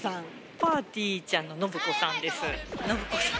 ぱーてぃーちゃんの信子さん信子さん。